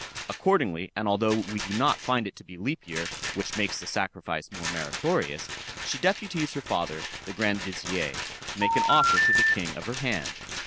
Accordingly, and although we do not find it to be leap year (which makes the sacrifice more meritorious), she deputes her father, the grand vizier, to make an offer to the king of her hand.